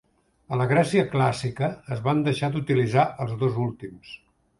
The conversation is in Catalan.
A la Grècia Clàssica es van deixar d'utilitzar els dos últims.